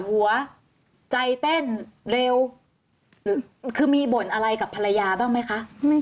หัวใจเต้นเร็วหรือคือมีบ่นอะไรกับภรรยาบ้างไหมคะ